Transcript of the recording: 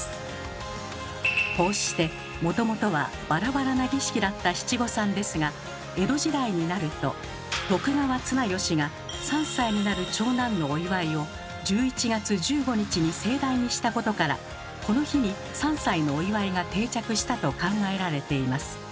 こうしてもともとはバラバラな儀式だった七五三ですが江戸時代になると徳川綱吉が３歳になる長男のお祝いを１１月１５日に盛大にしたことからこの日に３歳のお祝いが定着したと考えられています。